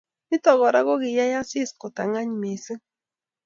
Nito Kora kokiyai Asisi kotangany missing